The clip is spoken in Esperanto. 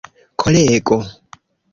kolego